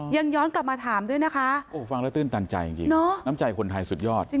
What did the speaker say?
ย้อนกลับมาถามด้วยนะคะโอ้ฟังแล้วตื่นตันใจจริงน้ำใจคนไทยสุดยอด